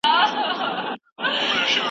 که هارن ورکړو نو څوک نه ټکریږي.